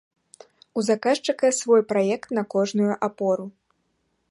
У заказчыка свой праект на кожную апору.